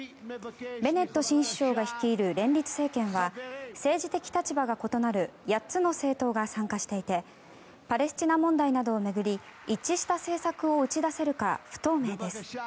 ベネット新首相が率いる連立政権は政治的立場が異なる８つの政党が参加していてパレスチナ問題などを巡り一致した政策を打ち出せるか不透明です。